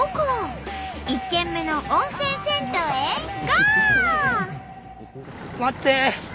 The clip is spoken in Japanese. １軒目の温泉銭湯へゴー！